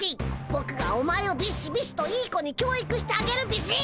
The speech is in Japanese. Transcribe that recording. ぼくがお前をビシビシといい子に教育してあげるビシッ！